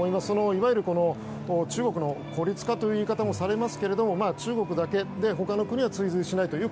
いわゆる、中国の孤立化という言い方もされますけれども中国だけで他の国は追随しないという